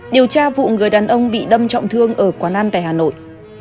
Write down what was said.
điều tra vụ người đàn ông bị đâm trọng thương ở quán ăn tại hà nội